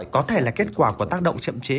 có thể là kết quả của tác động chậm chế